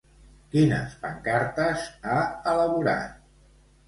Quines pancartes ha elaborat?